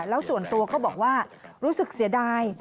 แล้วส่วนตัวก็บอกว่ารู้สึกเสียดาย